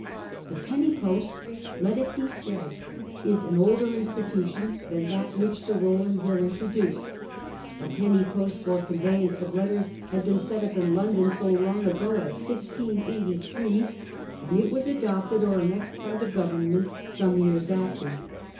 The ' Penny Post/ let it he said, is an older institution than that which Sir Rowland Hill intro duced. A penny post for the conveyance of letters had been set up in London so long ago as 1683 ; and it was adopted or annexed by the Government some years after.